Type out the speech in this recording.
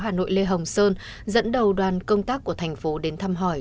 hà nội lê hồng sơn dẫn đầu đoàn công tác của thành phố đến thăm hỏi